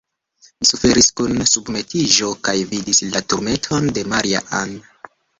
Mi suferis kun submetiĝo, kaj vidis la turmenton de Maria-Ann.